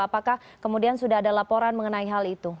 apakah kemudian sudah ada laporan mengenai hal itu